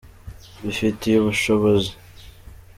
mbifitiye ubushobozi.